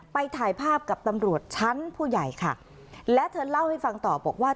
ถ่ายภาพกับตำรวจชั้นผู้ใหญ่ค่ะและเธอเล่าให้ฟังต่อบอกว่า